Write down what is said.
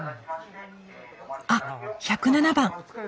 あっ１０７番。